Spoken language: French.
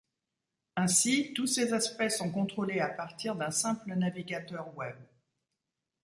Ainsi, tous ces aspects sont contrôlés à partir d'un simple navigateur web.